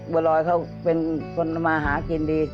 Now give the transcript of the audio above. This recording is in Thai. บัวลอยเขาเป็นคนทำมาหากินดี